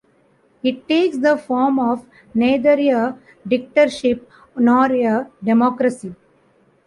It takes the form of neither a dictatorship nor a democracy.